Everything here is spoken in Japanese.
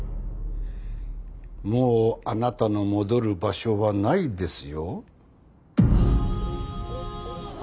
もうあなたの戻る場所はないですよ。